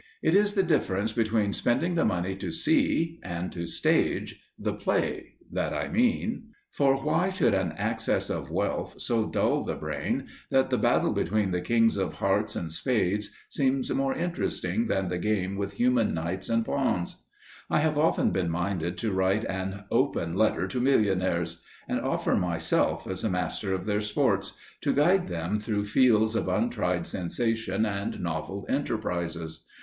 It is the difference between spending the money to see and to stage the play that I mean. For why should an access of wealth so dull the brain that the battle between the kings of hearts and spades seems more interesting than the game with human knights and pawns? I have often been minded to write an "Open Letter to Millionaires," and offer myself as a Master of their Sports, to guide them through fields of untried sensation and novel enterprises.